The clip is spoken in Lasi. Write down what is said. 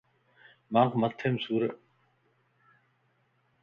مانک مٿي مَ سُور ا.